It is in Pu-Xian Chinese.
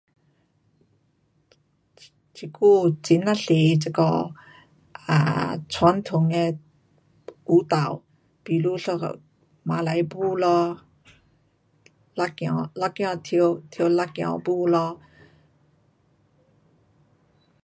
这，这久很呀多的这个 um 传统的舞蹈，比如一个马来舞咯，辣子，辣子跳，跳辣子舞咯。